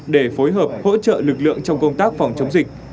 để phối hợp hỗ trợ lực lượng trong công tác phòng chống dịch